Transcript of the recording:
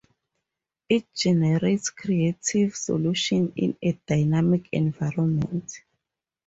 It generates creative solutions in a dynamic environment.